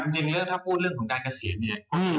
จริงแล้วถ้าพูดเรื่องของการเกษียณเนี่ย